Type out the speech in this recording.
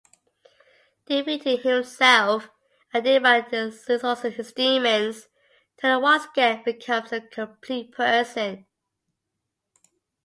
Defeating himself, and thereby exorcising his demons, Turner once again becomes a complete person.